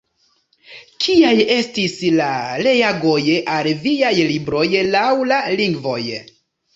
Kiaj estis la reagoj al viaj libroj laŭ la lingvoj?